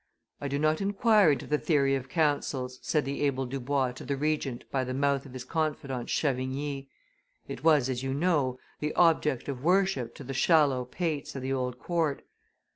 "I do not inquire into the theory of councils," said the able Dubois to the Regent by the mouth of his confidant Chavigny; "it was, as you know, the object of worship to the shallow pates of the old court.